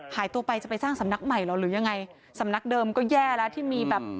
หายตัวไปจะไปสร้างสำนักใหม่เหรอหรือยังไงสำนักเดิมก็แย่แล้วที่มีแบบ